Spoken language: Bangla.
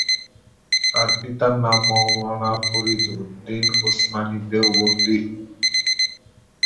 তাঁর পিতার নাম মাওলানা ফরিদ উদ্দিন উসমানী দেওবন্দি।